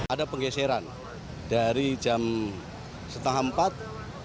ada penggeseran dari jam setengah empat